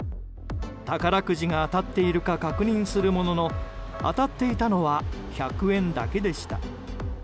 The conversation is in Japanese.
宝くじが当たっているか確認するものの当たっていたのは１００円だけでした。